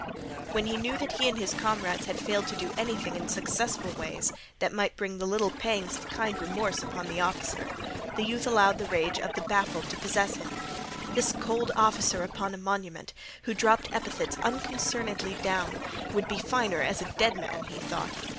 When he knew that he and his comrades had failed to do anything in successful ways that might bring the little pangs of a kind of remorse upon the officer, the youth allowed the rage of the baffled to possess him. This cold officer upon a monument, who dropped epithets unconcernedly down, would be finer as a dead man, he thought.